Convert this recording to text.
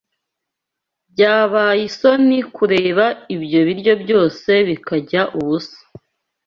Byabaisoni kureka ibyo biryo byose bikajya ubusa.